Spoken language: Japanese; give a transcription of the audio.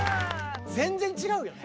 全然違うよね。